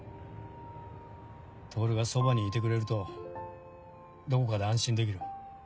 透がそばにいてくれるとどこかで安心できる。